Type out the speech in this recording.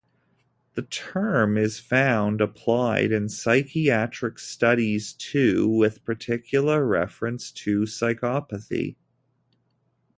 The term is found applied in psychiatric studies too, with particular reference to psychopathy.